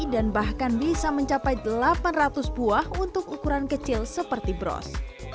dan bahkan bisa mencapai delapan ratus buah untuk ukuran kecil seperti bros